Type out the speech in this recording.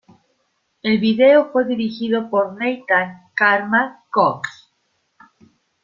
El video fue dirigido por Nathan "Karma" Cox.